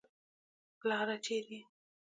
پلاره چېرې يې.